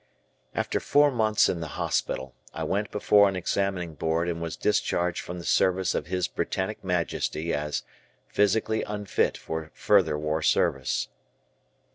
After four months in the hospital, I went before an examining board and was discharged from the service of his Britannic Majesty as "physically unfit for further war service."